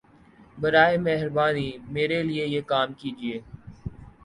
براہَ مہربانی میرے لیے یہ کام کیجیے